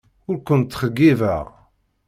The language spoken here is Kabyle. Ur ken-ttxeyyibeɣ.